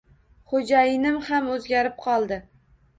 Xo`jayinim ham o`zgarib qoldi